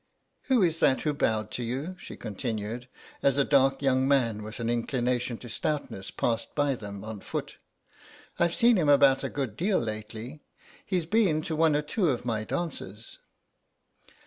Who is that who bowed to you?" she continued, as a dark young man with an inclination to stoutness passed by them on foot; "I've seen him about a good deal lately. He's been to one or two of my dances."